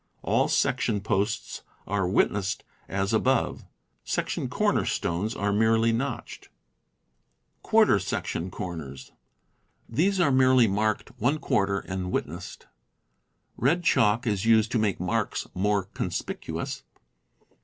All section posts are "witnessed" as above. Section corner stones are merely notched. Quarter section Corners. — These are merely marked ^ and "witnessed." Red chalk is used to make marks more conspicuous.